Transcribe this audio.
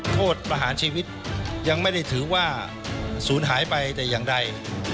โทษประหารชีวิตยังไม่ได้ถือว่าศูนย์หายไปแต่อย่างใด